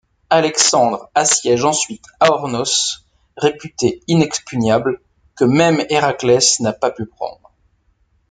Alexandre assiège ensuite Aornos, réputé inexpugnable, que même Héraclès n'a pas pu prendre.